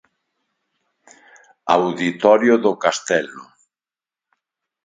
Auditorio do Castelo.